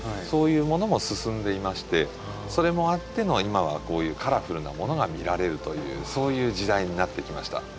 そういうものも進んでいましてそれもあっての今はこういうカラフルなものが見られるというそういう時代になってきました。